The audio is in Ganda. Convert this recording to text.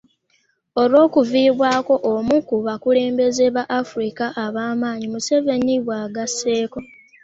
Olw'okuviibwako omu ku bakulembeze ba Afirika abaamaanyi, Museveni bw'agasseeko.